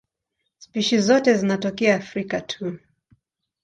Spishi zote zinatokea Afrika tu.